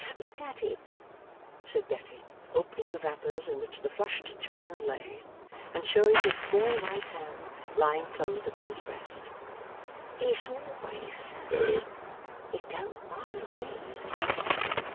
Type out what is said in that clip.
Look at it,' said Betty, opening the wrappers in which the flushed child lay, and showing his small right hand lying closed upon his breast. 'It's always so. It don't mind me.